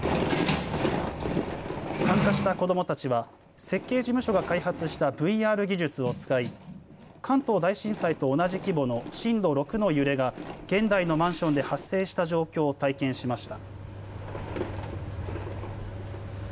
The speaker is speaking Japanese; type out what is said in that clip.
参加した子どもたちは設計事務所が開発したＶＲ技術を使い関東大震災と同じ規模の震度６の揺れが現代のマンションで発生した状況を体験しました。